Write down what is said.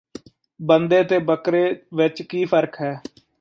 ਬੰਦੇ ਤੇ ਬੱਕਰੇ ਵਿੱਚ ਕੀ ਫ਼ਰਕ ਹੈ